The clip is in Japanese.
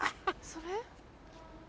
それ。